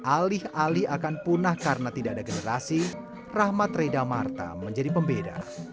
alih alih akan punah karena tidak ada generasi rahmat reda marta menjadi pembeda